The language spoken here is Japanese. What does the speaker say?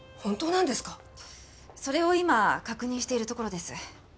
それを今確認しているところです。